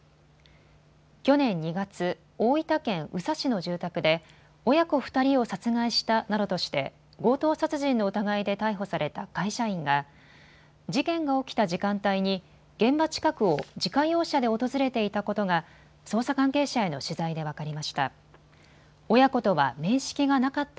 去年２月、大分県宇佐市の住宅で親子２人を殺害したなどとして強盗殺人の疑いで逮捕された会社員が事件が起きた時間帯に現場近くを自家用車で訪れていたことが捜査関係者への取材で分かりました。